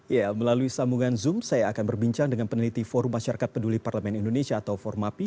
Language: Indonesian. ya melalui sambungan zoom saya akan berbincang dengan peneliti forum masyarakat peduli parlemen indonesia atau formapi